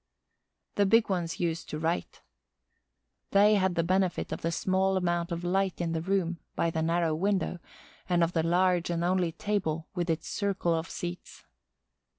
The big ones used to write. They had the benefit of the small amount of light in the room, by the narrow window, and of the large and only table with its circle of seats.